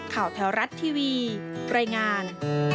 แถวรัฐทีวีรายงาน